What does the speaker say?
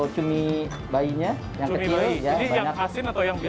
cumi bayi jadi yang asin atau yang biasa